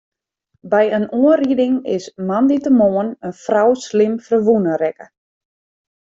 By in oanriding is moandeitemoarn in frou slim ferwûne rekke.